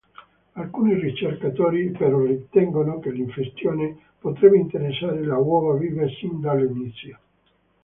Alcuni ricercatori, però, ritengono che l'infestione potrebbe interessare le uova vive sin dall'inizio.